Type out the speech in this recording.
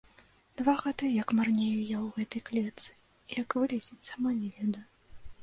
Два гады, як марнею я ў гэтай клетцы, і як вылецець, сама не ведаю.